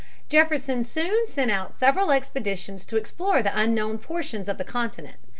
Jefferson soon sent out several expeditions to explore the unknown portions of the continent.